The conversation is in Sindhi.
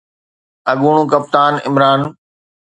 اڳوڻو ڪپتان عمران